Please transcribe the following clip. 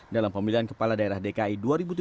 dalam pemilihan kepala daerah dki dua ribu tujuh belas